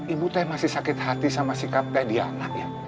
ibu teh masih sakit hati sama sikap teh di anak ya